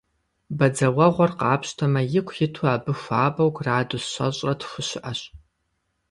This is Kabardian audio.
Бадзэуэгъуэр къапщтэмэ, ику иту абы хуабэу градус щэщӏрэ тху щыӏэщ.